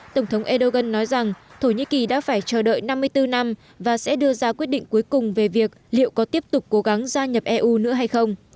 tổng thống erdogan nói rằng thổ nhĩ kỳ đã phải chờ đợi năm mươi bốn năm và sẽ đưa ra quyết định cuối cùng về việc liệu có tiếp tục cố gắng gia nhập eu nữa hay không